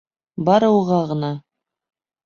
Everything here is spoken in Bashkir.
Бары уға ғына!